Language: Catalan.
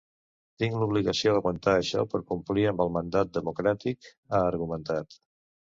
Tinc l’obligació d’aguantar això per complir amb el mandat democràtic, ha argumentat.